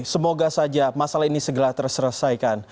semoga saja masalah ini segera terselesaikan